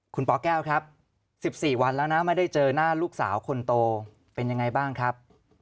คุณปแก้วครับ๑๔วันแล้วนะไม่ได้เจอหน้าลูกสาวคนโตเป็นยังไงบ้างครับ